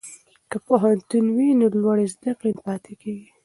که پوهنتون وي نو لوړې زده کړې نه پاتیږي.